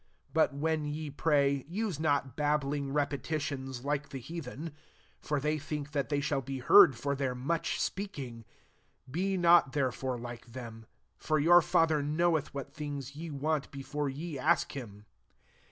7 But when ye pray, use not babbling repetitions, like the heathen : for they think that they shall be heard for their much speaking. 8 Be not there fore like them : for your Father knoweth what things ye want before ye ask him.